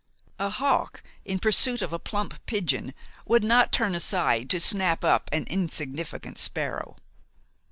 A hawk in pursuit of a plump pigeon would not turn aside to snap up an insignificant sparrow.